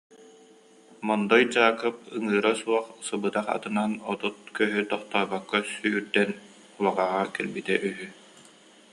Мондой Дьаакып ыҥыыра суох сыбыдах атынан отут көһү тохтообокко сүүрдэн Улаҕаҕа кэлбитэ үһү